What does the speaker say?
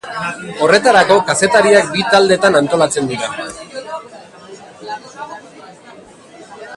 Horretarako kazetariak bi taldetan antolatzen dira.